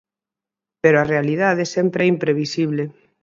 Pero a realidade sempre é imprevisible.